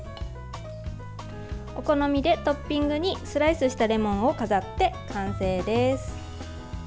お好みでトッピングにスライスしたレモンを飾って完成です。